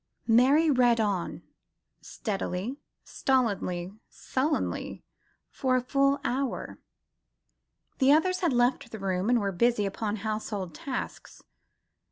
Mary read on, steadily, stolidly, sullenly, for a full hour. The others had left the room and were busy upon household tasks.